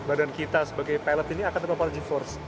badan kita sebagai pelet ini akan terpapar g force